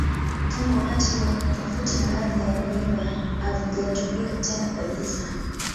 Tangu wakati huo, tovuti na ardhi ya eneo hilo havijatumika tena kabisa.